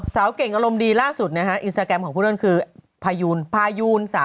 สาวเก่งอารมณ์ดีล่าสุดนะฮะอินสตาแกรมของผู้เล่นคือพายูนพายูน๓